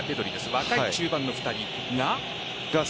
若い中盤の２人が？